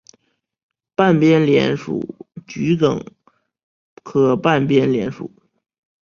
半边莲属桔梗科半边莲属。